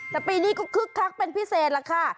แต่ปีนี้ก็คึกคักเป็นพิเศษล่ะค่ะ